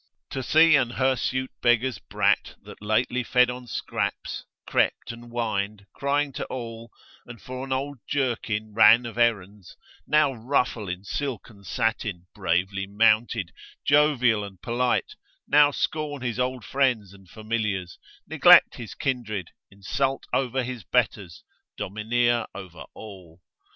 To see an hirsute beggar's brat, that lately fed on scraps, crept and whined, crying to all, and for an old jerkin ran of errands, now ruffle in silk and satin, bravely mounted, jovial and polite, now scorn his old friends and familiars, neglect his kindred, insult over his betters, domineer over all.